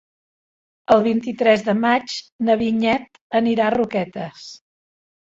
El vint-i-tres de maig na Vinyet anirà a Roquetes.